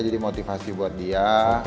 jadi motivasi buat dia